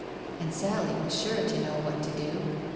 And Sally was sure to know what to do.